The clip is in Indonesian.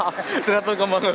ternyata itu manggul